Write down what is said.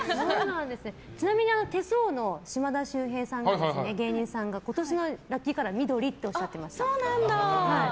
ちなみに手相の島田秀平さん芸人さんが今年のラッキーカラー緑っておっしゃってました。